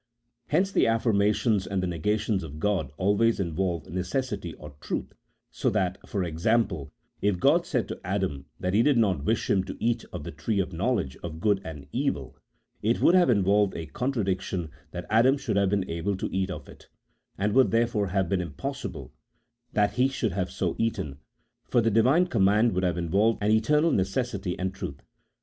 Hence the affirmations and the negations of God always involve necessity or truth; so that, for example, if God said to Adam that He did not wish him to eat of the tree of knowledge of good and evil, it would have involved a contradiction that Adam should have been able to eat of it, and would therefore have been impossible that he should have so eaten, for the Divine command would have involved an eternal necessity and truth.